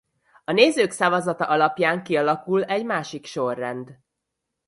A nézők szavazata alapján kialakul egy másik sorrend.